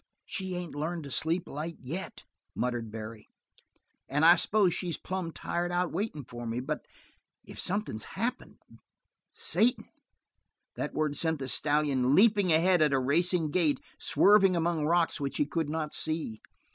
"She ain't learned to sleep light, yet," muttered Barry. "An' I s'pose she's plumb tired out waitin' for me. But if something's happened Satan!" That word sent the stallion leaping ahead at a racing gait, swerving among rocks which he could not see.